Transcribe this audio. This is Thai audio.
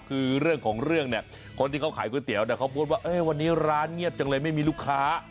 คือเรื่องของเรื่องเนี่ยคนที่เขาขายก๋วยเตี๋ยวเนี่ยเขาพูดว่าวันนี้ร้านเงียบจังเลยไม่มีลูกค้า